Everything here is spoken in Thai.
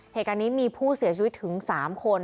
เหตุการณ์นี้มีผู้เสียชีวิตถึง๓คน